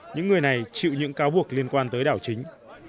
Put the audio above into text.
những người này chịu những cáo buộc liên quan tới đảo chính